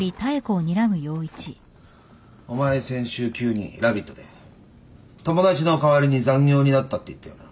お前先週急にラビットで友達の代わりに残業になったって言ったよな。